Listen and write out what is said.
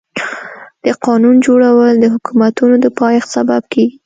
د قانون جوړول د حکومتونو د پايښت سبب کيږي.